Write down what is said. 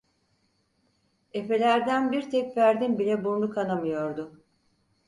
Efelerden bir tek ferdin bile burnu kanamıyordu.